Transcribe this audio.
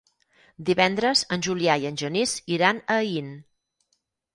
Divendres en Julià i en Genís iran a Aín.